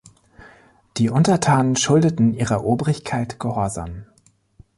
Die Untertanen schuldeten ihrer Obrigkeit Gehorsam.